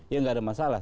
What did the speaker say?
ya nggak ada masalah